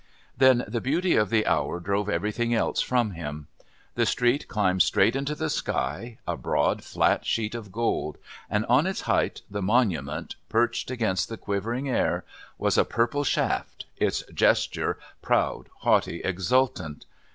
Then the beauty of the hour drove everything else from him. The street climbed straight into the sky, a broad flat sheet of gold, and on its height the monument, perched against the quivering air, was a purple shaft, its gesture proud, haughty, exultant.